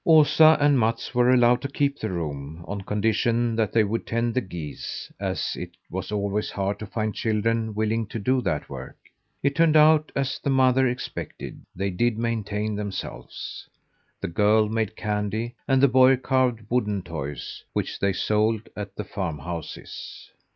Osa and Mats were allowed to keep the room on condition that they would tend the geese, as it was always hard to find children willing to do that work. It turned out as the mother expected: they did maintain themselves. The girl made candy, and the boy carved wooden toys, which they sold at the farm houses.